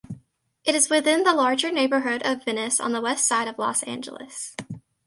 It is within the larger neighborhood of Venice on the westside of Los Angeles.